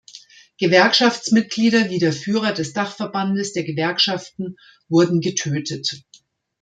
Gewerkschaftsmitgliederwie der Führer des Dachverbandes der Gewerkschaften wurden getötet.